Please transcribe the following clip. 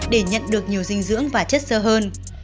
để nhận được nhiều dinh dưỡng và chất sơ hơn